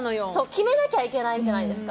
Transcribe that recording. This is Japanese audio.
決めなきゃいけないじゃないですか。